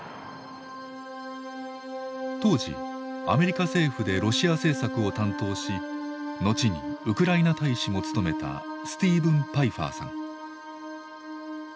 当時アメリカ政府でロシア政策を担当し後にウクライナ大使も務めたスティーブン・パイファーさん。